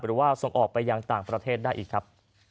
หรือว่าส่งออกไปยังต่างประเทศได้อีกครับ